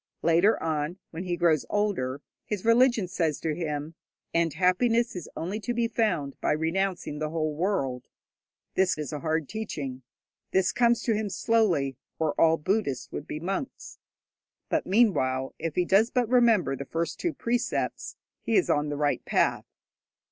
Later on, when he grows older, his religion says to him, 'And happiness is only to be found by renouncing the whole world.' This is a hard teaching. This comes to him slowly, or all Buddhists would be monks; but, meanwhile, if he does but remember the first two precepts, he is on the right path.